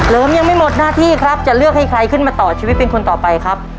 ยังไม่หมดหน้าที่ครับจะเลือกให้ใครขึ้นมาต่อชีวิตเป็นคนต่อไปครับ